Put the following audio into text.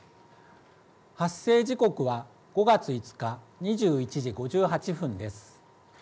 発生時刻は５月５日、２１時５８分です。